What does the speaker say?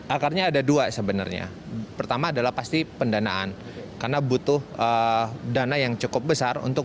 akarnya ada dua sebenarnya pertama adalah pasti pendanaan karena butuh dana yang cukup besar untuk